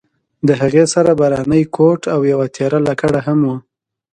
د هغې سره باراني کوټ او یوه تېره لکړه هم وه.